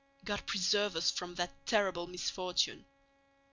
God preserve us from that terrible misfortune!